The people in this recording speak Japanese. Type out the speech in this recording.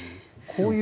こういう。